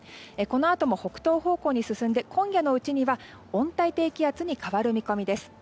このあとも北東方向に進んで今夜のうちには温帯低気圧に変わる見込みです。